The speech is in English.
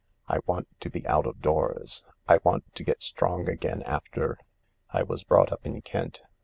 I want to be out of doors. I want to get strong again after ... I was brought up in Kent.